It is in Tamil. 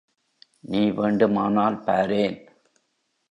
நீ வேண்டுமானால் பாரேன்!